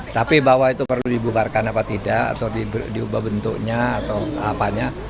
tapi bahwa itu perlu dibubarkan apa tidak atau diubah bentuknya atau apanya